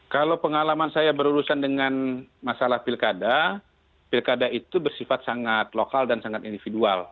kalau pengalaman saya berurusan dengan masalah pilkada pilkada itu bersifat sangat lokal dan sangat individual